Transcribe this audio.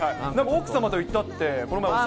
奥様と行ったって。